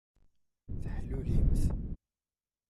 Teḥlulimt.